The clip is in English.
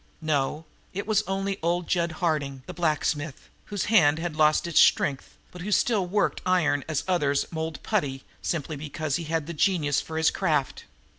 No, it was only old Jud Harding, the blacksmith, whose hand had lost its strength, but who still worked iron as others mold putty, simply because he had the genius for his craft.